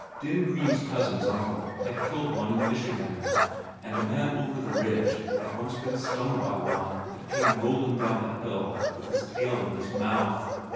Den Green's cousin's uncle had killed one in Michigan, and a man over the ridge had once been stung by one that came rolling down the hill with his tail in his mouth.